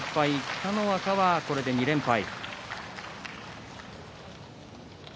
北の若がこれで２連敗。